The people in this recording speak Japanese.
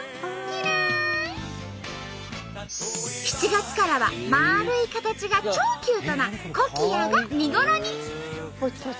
７月からは丸い形が超キュートなコキアが見頃に。